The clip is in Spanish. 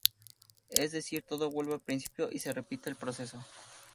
Es decir, todo vuelve al principio y se repite el proceso.